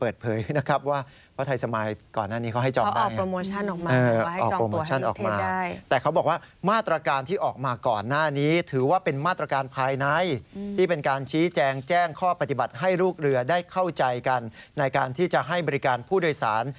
ได้เข้าใจกันในการที่จะให้บริการผู้โดยสาร